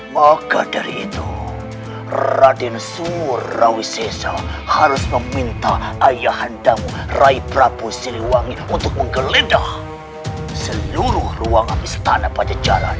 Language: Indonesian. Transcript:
maka dari itu raden surawisesa harus meminta ayahandamu rai prabu siliwangi untuk menggelendah seluruh ruang istana pajajaran